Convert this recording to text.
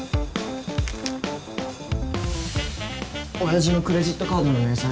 親父のクレジットカードの明細